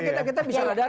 kita bisa ada